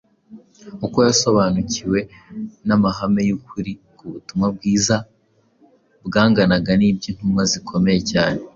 Uko yasobanukiwe n’amahame y’ukuri k’ubutumwa bwiza byanganaga n’iby’intumwa zikomeye cyane.